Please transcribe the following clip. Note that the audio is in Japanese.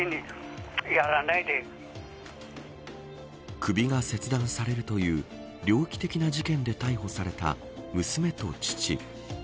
首が切断されるという猟奇的な事件で逮捕された娘と父。